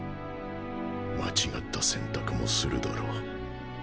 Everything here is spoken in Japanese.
間違った選択もするだろう。